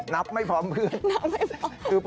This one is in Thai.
ไม่พร้อมเพื่อน